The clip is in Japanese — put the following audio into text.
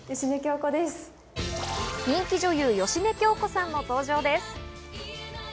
人気女優・芳根京子さんの登場です。